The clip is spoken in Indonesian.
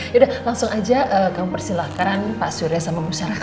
yaudah langsung aja kamu persilahkan pak surya sama masyarakat